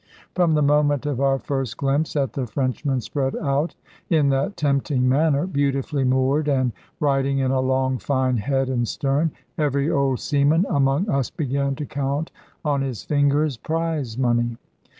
From the moment of our first glimpse at the Frenchmen spread out in that tempting manner, beautifully moored and riding in a long fine head and stern, every old seaman among us began to count on his fingers prize money.